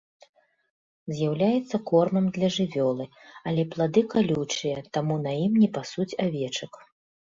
З'яўляецца кормам для жывёлы, але плады калючыя, таму на ім не пасуць авечак.